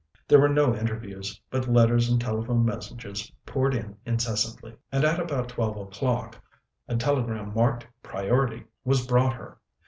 There were no interviews, but letters and telephone messages poured in incessantly, and at about twelve o'clock a telegram marked "Priority" was brought her.